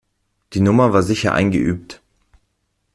Die Nummer war sicher eingeübt.